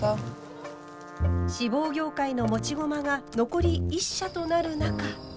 志望業界の持ち駒が残り１社となる中。